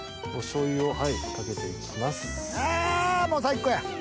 もう最高や。